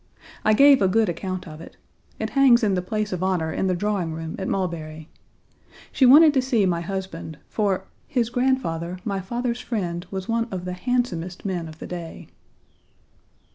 I gave a good account of it. It hangs in the place of honor in the drawing room at Mulberry. She wanted to see my husband, for "his grandfather, my father's friend, was one of the handsomest men of his day."